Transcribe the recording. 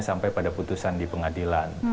sampai pada putusan di pengadilan